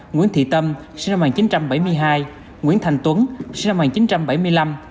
nguyễn thị tâm sinh năm một nghìn chín trăm bảy mươi hai nguyễn thành tuấn sinh năm một nghìn chín trăm bảy mươi năm